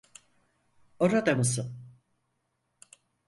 Orada mısın?